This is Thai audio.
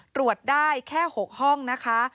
ตรวจได้แค่๖ห้องนะคะ